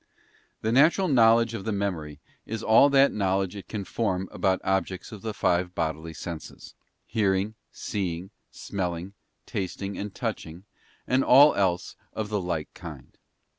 The natural knowledge of the Memory is all that knowledge it can form about the objects of the five bodily senses: hearing, seeing, smelling, tasting and touching, and all else of the like kind.